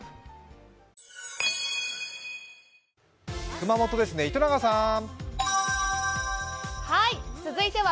熊本ですね、糸永さん。